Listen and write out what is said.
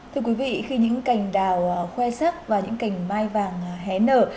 thưa quý vị khi những cành đào khoe sắc và những cành mai vàng hé nở